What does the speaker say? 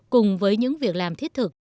cùng với những việc làm thiết thực